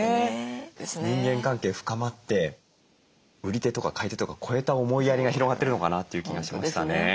人間関係深まって売り手とか買い手とか超えた思いやりが広がってるのかなという気がしましたね。